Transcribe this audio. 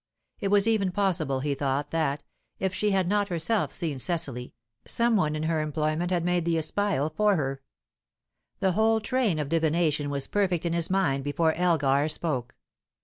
It was even possible, he thought, that, if she had not herself seen Cecily, some one in her employment had made the espial for her. The whole train of divination was perfect in his mind before Elgar spoke.